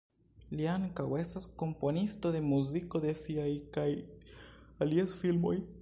Li ankaŭ estas komponisto de muziko de siaj kaj alies filmoj.